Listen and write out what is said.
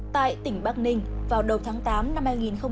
tại tỉnh bắc ninh vào đầu tháng tám năm hai nghìn hai mươi